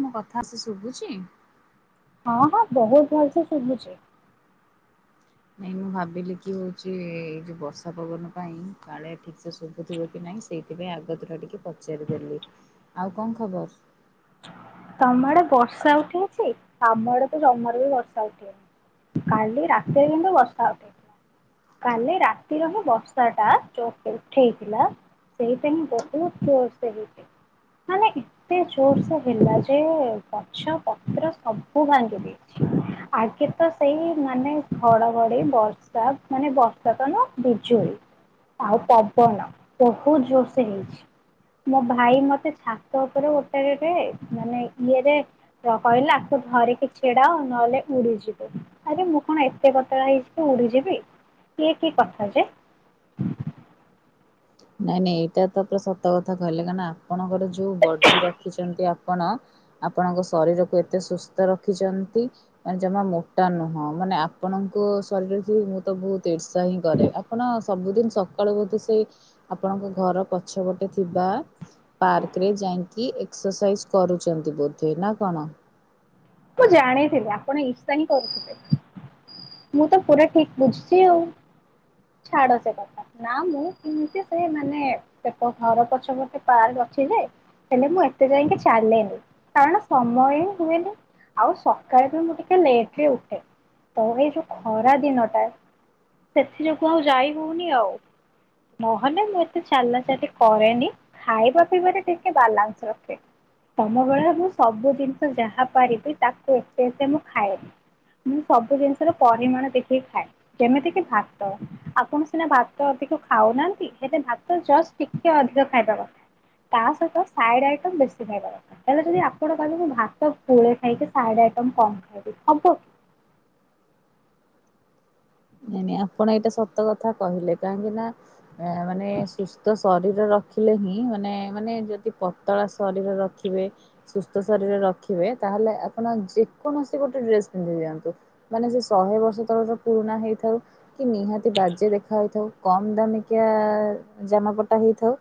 ମୋ କଥା ଆସି ଶୁଭୁଚି? ହଁ ହଁ ବୋହୁତ ଭଲସେ ଶୁଭୁଚି। ନାଇଁ ମୁଁ ଭାବିଲି କି ହୋଉଚି ଏଇ ଯୋଉ ବର୍ଷା ପବନ ପାଇଁ କାଳେ ଠିକସେ ଶୁଭୁଥୁବ କି ନାହିଁ ସେଇଥିପାଇଁ ଆଗତୁରା ଟିକେ ପଚାରିଦେଲି। ଆଉ କଁ ଖବର? ତମ ଆଡ଼େ ବର୍ଷା ଉଠେଇଚି ଆମ ଆଡ଼େ ତ ଜମାରୁ ବି ବର୍ଷା ଉଠେଇନି। କାଲି ରାତିରେ କିନ୍ତୁ ବର୍ଷା ଉଠେଇଥିଲା। କାଲି ରାତିର ହିଁ ବର୍ଷାଟା ଯୋଉ ଉଠେଇଥିଲା ସେଇଟା ହିଁ ବୋହୁତ ଜୋରସେ ହେଇଥିଲା। ମାନେ ଏତେ ଜୋରସେ ହେଲା ଯେ ଟେ ଗଛ ପତ୍ର ସବୁ ଭାଙ୍ଗି ଦେଇଛି। ଆଗେ ତ ସେଇ ମାନେ ଘଡ଼ଘଡ଼ି ବର୍ଷା ମାନେ ବର୍ଷା ତ ନୁହଁ ବିଜୁଳି ଆଉ ପବନ ବୋହୁତ ଜୋରସେ ହେଇଚି। ମୋ ଭାଇ ମତେ ଛାତ ଉପରେ ଗୋଟାକେରେ ମାନେ ଇଏରେ କ କହିଲେ ଆସ ଧରିକି ଛିଡ଼ା ହ ନହେଲେ ଉଡିଯିବୁ। ଆରେ ମୁଁ କଣ ଏତେ ପତଳା ହେଇଚି କି ଉଡିଯିବି? ଇଏ କି କଥା ଯେ? ନାଇଁ ନାଇଁ ଏଇଟା ତ ପୁରା ସତ କଥା କହିଲେ କାନା ଆପଣଙ୍କର ଯୋଉ ବଡ଼ି ରଖିଚନ୍ତି ଆ ଆପଣ ଆପଣଙ୍କ ଶରୀରକୁ ଏତେ ସୁସ୍ଥ ରଖିଚନ୍ତି ମାନେ ଜମା ମୋଟା ନୁହଁ ମାନେ ଆପଣଙ୍କ ଶରୀରକୁ ମୁଁ ତ ବୋହୁତ ଇର୍ଷା ହିଁ କରେ ଆପଣ ସବୁଦିନ ସକାଳୁ ବୋଧେ ସେଇ ଆପଣଙ୍କ ଘର ପଛପଟେ ଥିବା ପାର୍କରେ ଯାଇଁକି ଏକ୍ସରସାଇଜ କରୁଚନ୍ତି ବୋଧେ। ନାଁ କଣ? ମୁଁ ଜାଣିଥିଲି ଆପଣ ଇର୍ସା ହିଁ କରୁଥୁବେ। ମୁଁ ତ ପୁରା ଠିକ ବୁଝିଚି ଆଉ। ଛାଡ଼ ସେ କଥା ନାଁ ମୁଁ କେମିତି ସେଇ ମାନେ ସେପ ଘର ପଛପଟେ ପାର୍କ ଅଛି ଯେ ହେଲେ ମୁଁ ଏତେ ଯାଇଁକି ଚାଲେନି କାରଣ ସମୟ ହଁ ହୁଏନି। ଆଉ ସକାଳେ ବି ମୁଁ ଟିକେ ଲେଟରେ ଉଠେ ତ ଏଇ ଯୋଉ ଖରା ଦିନଟା ସେଥି ଯୋଗୁ ଆଉ ଯାଇ ହୋଉନି ଆଉ। ନହେଲେ ମୁଁ ଏତେ ଚାଲା ଚାଲି କରେନି ଖାଇବା ପିଇବାରେ ଟିକେ ବାଲାନ୍ସ ରଖେ ତମ ଭଳିଆ ମୁଁ ସବୁ ଜିନିଷ ଯାହା ପାରିବି ତାକୁ ଏତେ ଏତେ ମୁଁ ଖାଏନି ମୁଁ ସବୁ ଜିନିଷର ପରିମାଣ ଦେଖିକି ଖାଏ। ଯେମିତି କି ଭାତ ଆପଣ ସିନା ଭାତ ଅଧିକ ଖାଉନାହାନ୍ତି ହେଲେ ଭାତ ଜଷ୍ଟ ଟିକେ ଅଧିକ ଖାଇବା କଥା ତା ସହିତ ସାଇଡ ଆଇଟମ୍ ବେଶୀ ଖାଇବା କଥା। ତାହାଲେ ଯଦି ଆପଣ କହିଲେ ମୁଁ ଭାତ ପୁଳେ ଖାଇକି ସାଇଡ଼୍ ଆଇଟମ୍ କମ୍ ଖାଇବି ହବ କି? ନାଇଁ ନାଇଁ ଆପଣ ଏଇଟା ସତ କଥା କହିଲେ କାହିଁକି ନାଁ ଆଁ ମାନେ ସୁସ୍ଥ ଶରୀର ରଖିଲେ ହିଁ ମାନେ ମାନେ ଯଦି ପତଳା ଶରୀର ରଖିବେ ସୁସ୍ଥ ଶରୀର ରଖିବେ ତାହେଲେ ଆପଣ ଯେକୌଣସି ଗୋଟେ ଡ୍ରେସ୍ ପିନ୍ଧି ଦିଅନ୍ତୁ ମାନେ ସେ ଶହେ ବର୍ଷ ତଳର ପୁରୁଣା ହେଇ ଥାଉ କି ନିହାତି ବାଜେ ଦେଖାହେଇଥାଉ କମ୍ ଦାମିକିଆ ଜାମାପଟା ହେଇଥାଉ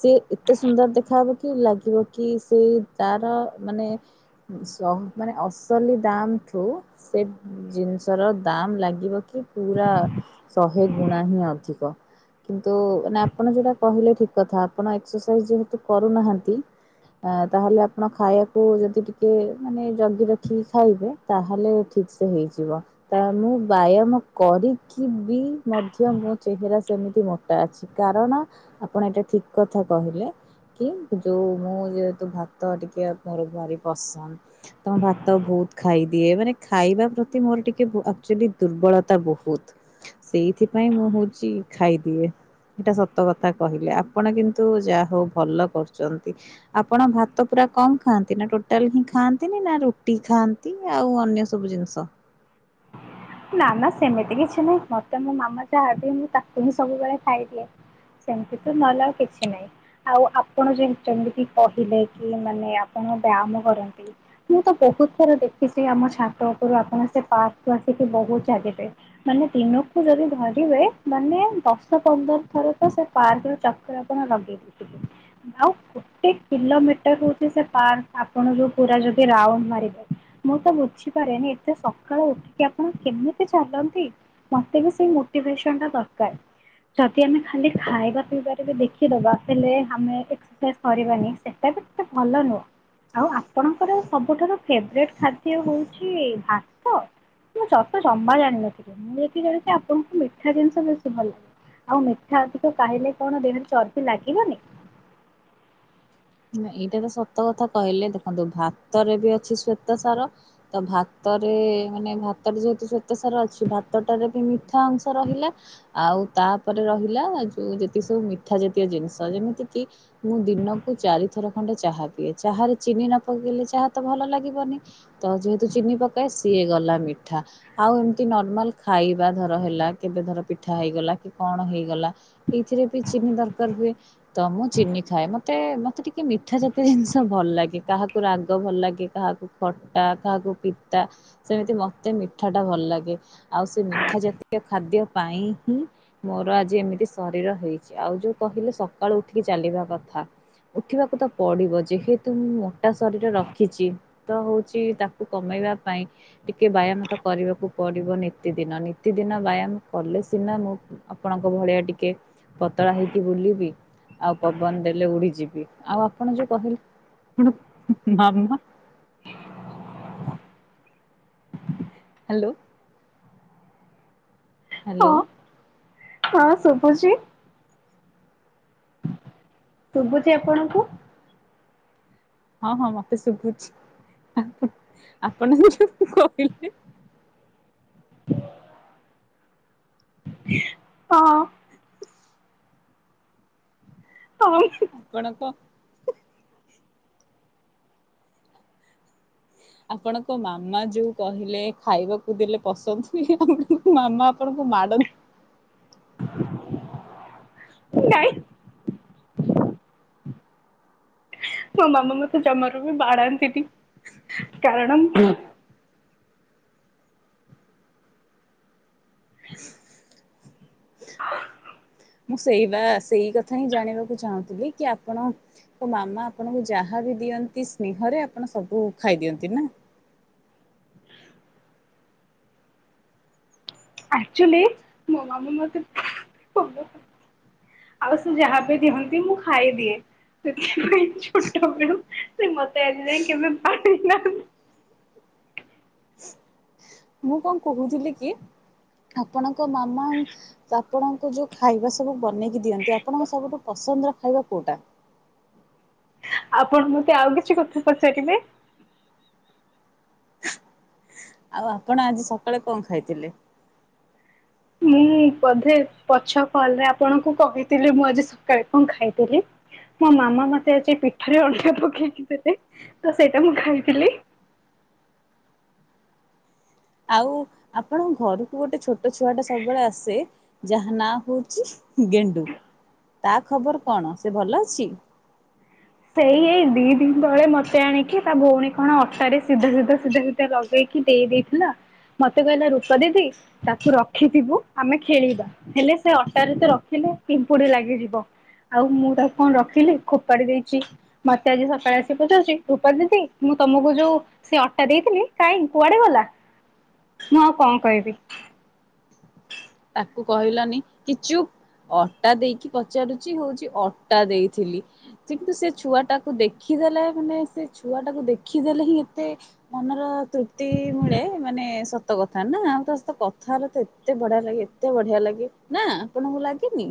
ସିଏ ଏତେ ସୁନ୍ଦର ଦେଖାହବ କି ଲାଗିବ କି ସେଇ ତାର ମାନେ ସ ମାନେ ଅସଲି ଦମ୍ ଠୁ ସେଇ ଜିନିଷର ଦମ୍ ଲାଗିବ କି ପୁରା ଶହେ ଗୁଣା ହିଁ ଅଧିକ କିନ୍ତୁ ମାନେ ଆପଣ ଯୋଉଟା କହିଲେ ଠିକ କଥା ଆପଣ ଏକ୍ସରସାଇଜ ଯେହେତୁ କରୁନାହାନ୍ତିମ ତାହେଲେ ଆପଣ ଖାଇବାକୁ ଯଦି ଟିକେ ମାନେ ଜଗି ରଖି ଖାଇବେ ତାହେଲେ ଠିକ ସେ ହେଇଯିବ ତା ମୁଁ ବାୟାମ କରିକି ବି ମଧ୍ୟ ମୋ ଚେହେରା ସେମିତି ମୋଟା ଅଛି କାରଣ ଆପଣ ଏଟା ଠିକ କଥା କହିଲେ କି ଯୋଉ ମୁଁ ଯେହେତୁ ଭାତ ଟିକେ ମୋର ଭାରି ପସନ୍ଦ ତ ମୁ ଭାତ ବୋହୁତ ଖାଇଦିଏ ମାନେ ଖାଇବା ପ୍ରତି ମୋର ଟିକେଚ ଦୁର୍ବଳ ବୋହୁତ। ସେଇଥିପାଇଁ ମୁଁ ହୋଉଚି ଖାଇଦିଏ ସେଇଟା ସତ କଥା କହିଲେ ଆପଣ କିନ୍ତୁ ଯାହା ହୋଉ ଭଲ କରୁଚନ୍ତି ଆପଣ ଭାତ ପୁରା କମ ଖାଆନ୍ତି ନା ଟୋଟାଲ ହିଁ ଖାଆନ୍ତିନି ନା ରୁଟି ଖାଆନ୍ତି ଆଉ ଅନ୍ୟ ସବୁ ଜିନିଷ? ନା ନା ସେମିତି କିଛି ନାହିଁ ମତେ ମୋ ମାମା ଯାହାବ ମୁଁ ତାକୁ ହିଁ ସବୁବେଳେ ଖାଇଦିଏ। ସେମିତି ତ ନହେଲେ ଆଉ କିଛି ନାହିଁ। ଆଉ ଆପଣ ଯେମିତି କି କହିଲେ କି ମାନେ ଆପଣ ବ୍ୟାୟାମ କରନ୍ତି। ମୁଁ ତ ବୋହୁତ ଥର ଦେଖିଛି ଆମ ଛାତ ଉପରୁ ଆପଣ ସେ ପାର୍କ ସେଠି ବୋହୁତ ଚାଲିବେ ମାନେ ଦିନକୁ ଯଦି ଧରିବେ ମାନେ ଦଶ ପନ୍ଦର ଥର ତ ସେ ପାର୍କ ର ଚକ୍ର ଆପଣ ଲଗେଇ ଦେଇଥିବେ। ଆଉ ଗୋଟେ କିଲୋମିଟର ହୋଉଚି ସେ ପାର୍କ ଆପଣ ଯୋଉ ପୁରା ଯଦି ରାଉଣ୍ଡ ମାରିବେ ମୁଁ ତ ବୁଝିପାରେନି ଏତେ ସକାଳୁ ଉଠି କି ଆପଣ କେମିତି ଚାଲନ୍ତି ମତେ ବି ସେଇ ମୋଟିଭେସନ ଟା ଦରକାର ଯଦି ଆମେ ଖାଲି ଖାଇବା ପିଇବାରେ ବି ଦେଖିଦବା ହେଲେ ଆମେ ଏକ୍ରସାଇଜ କରାନି ସେଟା ବିତେ ଭଲ ନୁହଁ। ଆଉ ଆପଣଙ୍କର ସବୁଠାରୁ ଫେବଟ ଖାଦ୍ୟ ହୋଉଛି ଭାତ? ମୁଁ ସତ ଜମା ଜାଣିନଥିବି। ମୁଁ ଯକି ଜାଣିଚି ଆପଣଙ୍କୁ ମିଠା ଜିନିଷ ବେଶୀ ଭଲ ଲାଗେ ଆଉ ମିଠା ଅଧିକ କାହିଲେ କଣ ଦେହରେ ଚର୍ବି ଲାଗିବନି? ନା ଏଇଟା ତ ସତ କଥା କହିଲେ ଦେଖନ୍ତୁ ଭାତରେ ବି ଅଛି ଶ୍ଵେତ ସାର ତ ଭାତରେ ମାନେ ଭାତରେ ଯେହେତୁ ଶ୍ଵେତ ସାର ଅଛି ଭାତଟାରେ ବି ମିଠା ଅଂଶ ରହିଲା। ଆଉ ତାପରେ ରହିଲା ଯୋଉ ଯେତିକି ସବୁ ମିଠା ଜାତୀୟ ଜିନିଷ ଯେମିତି କିି ମୁଁ ଦିନ କୁ ଚାରିଥର ଖଣ୍ଡେ ଚାହା ପିଏ ଚାରେ ଚିନି ନ ପକେଇଲେ ଚାହା ତ ଭଲ ଲାଗିବନି। ତ ଯେହେତୁ ଚିନି ପକାଏ ସିଏ ଗଲା ମିଠା ଆଉ ଏମିତି ନର୍ମାଲ ଖାଇବା ଧର ହେଲା କେବେ ଧର ପିଠା ହେଇଗଲା କି କଣ ହେଇଗଲା ଏଇଥିରେ ବି ଚିନି ଦରକାର ହୁଏ। ତ ମୁଁ ଚିନି ଖାଏ ମତ୍ ତେ ମତେ ଟିକେ ମିଠା ଜାତୀୟ ଜିନିଷ ଭଲ ଲାଗେ। କାହାକୁ ରାଗ ଭଲ ଲାଗେ କାହାକୁ ଖଟା କାହାକୁ ପିତା ସେମିତି ମତେ ମିଠାଟା ଭଲ ଲାଗେ। ଆଉ ସେ ମିଠା ଜାତୀୟ ଖାଦ୍ୟ ପାଇଁ ହିଁ ମୋର ଆଜି ଏମିତି ଶରୀର ହୋଇଚି। ଆଉ ଯୋଉ କହିଲେ ସକାଳୁ ଉଠିକି ଚାଲିବା କଥା। ଉଠିବାକୁ ତ ପଡିବ ଯେହେତୁ ମୁଁ ମୋଟା ଶରୀର ରଖିଚି। ତ ହୋଉଚି ତାକୁ କମେଇବା ପାଇଁ ଟିକେ ବ୍ୟାୟାମ ତ କରିବାକୁ ପଡିବ ନୀତିଦିନ ନିୀତିଦିନ ବ୍ୟାୟାମ କଲେ ସିନା ମୁଁ ଆପଣଙ୍କ ଭଳିଆ ଟିକେ ପତଳା ହେଇକି ବୁଲିବି ଆଉ ପବନ ଦେଲେ ଉଡିଯି ଯିବି ଆଉ ଆପଣ ଯୋଉ କହିଲେ ଆପଣ ମାମା ହାଲୋ। ହାଲୋ। ହଁ ହଁ ଶୁଭୁଛି। ଶୁବୁଚି ଆପଣଙ୍କୁ? ହଁ ହଁ ମତେ ଶୁଭୁଛି ଆପଣ ଆପଣ ସେଇଠୁ କହିଲେ? ହଁ ହଁ ଆପଣଙ୍କ ଆପଣଙ୍କ ମାମା ଯୋଉ କହିଲେ ଖାଇବାକୁ ଦେଲେ ପସନ୍ଦ ହୁଏ [unintelligible] ମାମା ଆପଣଙ୍କୁ ମାଡ଼ ନାଇଁ ମୋ ମାମା ମତେ ଜମାରୁ ବି ବାଡ଼ାନ୍ତିନି କାରଣ ମୁଁ ସେଇ ବା ସେଇ କଥା ହିଁ ଜାଣିବାକୁ ଚାହୁଁଥିଲି କି ଆପଣ ମୋ ମାମା ଆପଣଙ୍କୁ ଯାହାବି ଦିଅନ୍ତି ସ୍ନେହରେ ଆପଣ ସବୁ ଖାଇଦିଅନ୍ତି ନା। ଆକଚୁଆଲି ମୋ ମାମା ମତେ [unintelligible] ଆଉ ସେ ଯାହା ବି ଦିଅନ୍ତି ମୁଁ ଖାଇଦିଏ ସେଥିପାଇଁ ଛୋଟ ବେଳ ସେ ମତେ ଆଜି ଯାଇ କେବେ ବାଡେଇ ନାହାନ୍ତି ମୁଁ କଣ କହୁଥିଲି କି ଆପଣଙ୍କ ମାମା ଆପଣଙ୍କ ଯୋଉ ଖାଇବା ସବୁ ବନେଇକି ଦିଅନ୍ତି ଆପଣଙ୍କ ସବୁଠୁ ପସନ୍ଦର ଖାଇବା କୋଉଟା? ଆପଣ ମତେ ଆଉ କିଛି କଥା ପଚାରିବେ? ଆଉ ଆପଣ ଆଜି ସକାଳେ କଣ ଖାଇଥିଲେ? ମୁଁ ବୋଧେ ପଛ କଲରେ ଆପଣଙ୍କୁ କହିଥିଲି ମୁଁ ଆଜି ସକାଳେ କଣ ଖାଇଥିଲି ମୋ ମାମା ମତେ ଆଜି ପିଠରେ ଅଣ୍ଡା ପକେଇକି ଥିଲେ ତ ସେଇଟା ମୁଁ ଖାଇଥିଲି। ଆଉ ଆପଣଙ୍କ ଘରକୁ ଗୋଟେ ଛୋଟ ଛୁଆ ଟା ସବୁବେଳେ ଆସେ ଯାହା ନାଁ ହଉଛି ଗେଣ୍ଡୁ ତା ଖବର କଣ ସେ ଭଲ ଅଛି? ସେଇ ଏଇ ଦି ଦିନ ତଳେ ମତେ ଆଣିକି ତା ଭଉଣୀ କଣ ଅଟାରେ ସିଧା ସିଧା ସିଧା ସିଧା ଲଗେଇକି ଦେଇ ଦେଇେଇଥିଲା ମତେ କହିଲା ରୂପା ଦିଦି ତାକୁ ରଖିଥିବୁ ଆମେ ଖେଳିବା ହେଲେ ସେ ଅଟାରେ ତ ରଖିଲେ ପିମ୍ପୁଡି ଲାଗିଯିବ ଆଉ ମୁଁ ତାକୁ କଣ ରଖିଲି ଖୋପାଡି ଦେଇ ଚି ମତେ ଆଜି ସକାଳେ ଆସିକି ପଚାରୁଛି ଯାଉଛି ରୂପା ଦିଦି ମୁଁ ତମକୁ ଯୋଉ ସେ ଅଟା ଦେଇଥିଲି କାହିଁ କୁଆଡେ ଗଲା ମୁଁ ଆଉ କଣ କହିବି। କୁ କହିଲାନି କି ଚୁପ୍ ଅଟା ଦେଇକି ପଚାରୁଛି ହଉଛି ଅଟା ଦେଇଥିଲି କିନ୍ତୁ ସେ ଛୁଆ ଟାକୁ ଦେଖିଦେଲେ ମାନେ ସେ ଛୁଆ ଟାକୁ ଦେଖିଦେଲେ ହିଁ ଏତେ ମନର ତୃପ୍ତି ମିଳେ ମାନେ ସତକଥା। କ ନା ଆମ ତ କଥା ହେଲେ ତ ଏତେ ବଢିଆ ଲାଗେ। ଏତେ ବଢିଆ ଲାଗେ ନା ଆପଣଙ୍କୁ ଲାଗେନି?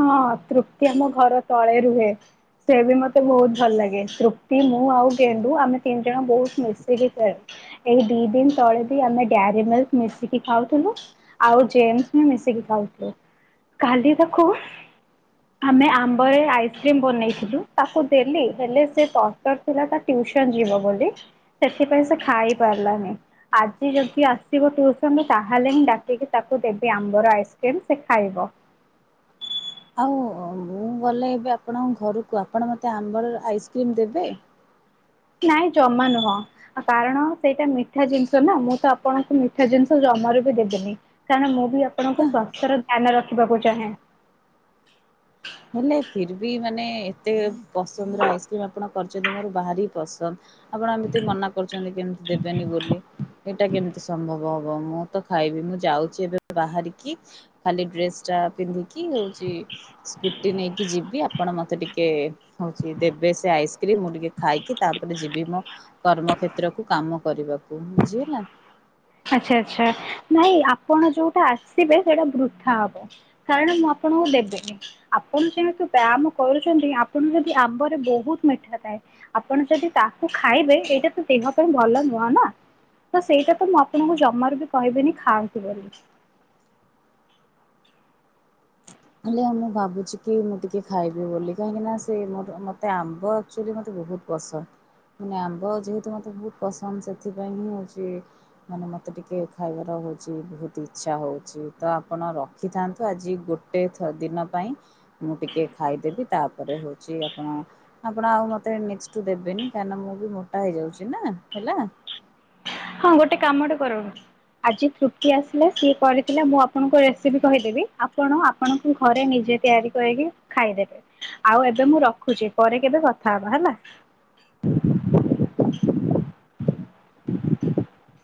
ହଁ ତୃପ୍ତି ଆମ ଘର ତଳେ ରୁହେ, ସେ ବି ମୋତେ ବହୁତ ଭଲ ଲାଗେ, ତୃପ୍ତି ମୁଁ ଆଉ ଗେଣ୍ଡୁ ଆମେ ତିନି ଜଣ ବହୁତ ମିଶିକି ଖେଳେୁ, ଏଇ ଦି ଦିନ ତଳେ ବି ଆମେ ଡାରୀ ମିଲ୍କ ମିଶିକି ଖାଉଥୁଲୁ, ଆଉ ଜେମସ୍ ବି ମିଶିକି ଖାଉଥିଲୁ, କାଲି ତ ଖ ଆମେ ଆମ୍ବରେ ଆଇସ୍କ୍ରିମ୍ ବନେଇଥିଲୁ, ତାକୁ ଦେଲି ହେଲେ ସେ ତରତର ଥିଲା ତା ଟିଉସନ ଯିବ ବୋଲି, ସେଥିପାଇଁ ସେ ଖାଇ ପାରିଲାନି, ଆଜି ଯଦି ଆସିବ ଟିଉସନ ରୁ ତାହେଲେ ହିଁ ଡାକିକି ତାକୁ ଦେବି ଆମ୍ବର ଆଇସ୍କ୍ରିମ୍ ସେ ଖାଇବ। ଆଉ ମୁଁ ଗଲେ ଏବେ ଆପଣଙ୍କ ଘରକୁ ଆପଣ ମୋତେ ଆମ୍ବର ଆଇସ୍କ୍ରିମ୍ ଦେବେ? ନାଇଁ ଜମା ନୁହଁ, କାରଣ ସେଇଟା ମିଠା ଜିନିଷ ନା ମୁଁ ତ ଆପଣଙ୍କୁ ମିଠା ଜିନିଷ ଜମାରୁ ବି ଦେବିନି, କାରଣ ମୁଁ ବି ଆପଣଙ୍କୁ ସ୍ଵାସ୍ଥ୍ୟର ଧ୍ୟାନ ରଖିବାକୁ ଚାହେଁ। ହେଲେ ଫିର୍ ବି ମାନେ ଏତେ ପସନ୍ଦର ଆଇସ୍କ୍ରିମ୍ ଆପଣ କରିଚନ୍ତି ମୋର ବାହାରି ପସନ୍ଦ, ଆପଣ ଏମିତି ମନା କରୁଚନ୍ତି କେମତି ଦେବେନି ବୋଲି, ଏଇଟା କେମିତି ସମ୍ଭବ ହବ, ମୁଁ ତ ଖାଇବି, ମୁଁ ଯାଉଚି ଏ ବାହାରିକି ଖାଲି ଡ୍ରେସ୍ ଟା ପିନ୍ଧିକି ହଉଚି ସ୍କୁ ଟି ନେଇକି ଯିବି ଆପଣ ମୋତେ ଟିକେ ହଉଚି ଦେବେ, ସେ ଆଇସ୍କ୍ରିମ୍ ମୁଁ ଟିକେ ଖାଇକି ତାପରେ ଯିବି ମୋ କର୍ମ କ୍ଷେତ୍ରକୁ କାମ କରିବାକୁ, ବୁଝିହେଲା। ଆଚ୍ଛା ଆଚ୍ଛା ନାଇଁ ଆପଣ ଯୋଉଟା ଆସିବେ ସେଇଟା ବୃଥାା ହବ, କାରଣ ମୁଁ ଆପଣଙ୍କୁ ଦେବନି, ଆପଣ ଯେହେତୁ ବ୍ୟାୟାମ କରୁଛନ୍ତି ଆପଣ ଯଦି ଆମ୍ବରେ ବହୁତ ମିଠା ଥାଏ, ଆପଣ ଯଦି ତାକୁ ଖାଇବେ ଏଇଟା ତ ଦେହ ପାଇଁ ଭଲ ନୁହଁ ନା ତ ସେଇଟା ତ ମୁଁ ଆପ ଆପଣକୁ ଜମାରୁ ବି କହିବିନି ଖାଆନ୍ତୁ ବୋଲି। ହେଲେ ମୁଁ ଭାବୁଚି କି ମୁଁ ଟିକେ ଖାଇବି ବୋଲି, କାହିଁକି ନା ସେ ମୋର ମୋତେ ଆମ୍ବ ଆକ୍ଚୁଲି ମୋତେ ବହୁତ ପସନ୍ଦ, ମାନେ ଆମ୍ବ ଯେହେତୁ ମୋତେ ବହୁତ ପସନ୍ଦ ସେଥିପାଇଁ ହିଁ ହଉଚି ମାନେ ମୋତେ ଟିକେ ଖାଇବାର ହଉଚି ବହୁତ ଇଚ୍ଛା ହଉଚି। ତ ଆପଣ ରଖିଥାନ୍ତୁ ଆଜି ଗୋ ଟେ ଥ ଦିନ ପାଇଁ ମୁଁ ଟିକେ ଖାଇଦେବି ତା ପରେ ହଉଚି ଆପଣ ଆପଣ ଆଉ ମୋତେ ନେକ୍ସଟ୍ କୁ ଦେବେନି କାହିଁକିନା ମୁଁ ବି ମୋଟା ହେଇଯାଉଚି ନା ହେଲା। ହଁ ଗୋଟେ କାମଟେ କରନ, ଆଜି ତ୍ରୁପ୍ତି ଆସିଲା ସିଏ କରିଥିଲା ମୁଁ ଆପଣଙ୍କୁ ରେସିପି କହିଦେବି ଆପଣ ଆପଣଙ୍କୁ ଘରେ ନିଜେ ତିଆରି କରିକି ଖାଇଦେବେ ଆଉ ଏବେ ମୁଁ ରଖୁଚି, ପରେ କେବେ କଥା ହବା ହେଲା। [inaudible]